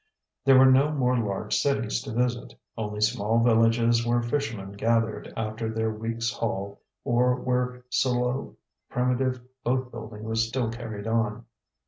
There were no more large cities to visit, only small villages where fishermen gathered after their week's haul or where slow, primitive boat building was still carried on.